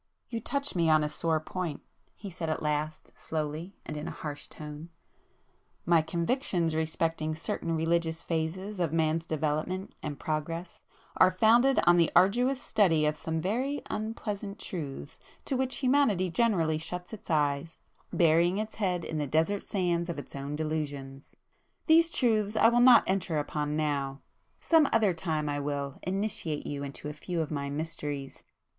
"You touch me on a sore point,"—he said at last, slowly, and in a harsh tone—"My convictions respecting certain religious phases of man's development and progress, are founded on the arduous study of some very unpleasant truths to which humanity generally shuts its eyes, burying its head in the desert sands of its own delusions. These truths I will not enter upon now. Some other time I will initiate you into a few of my mysteries."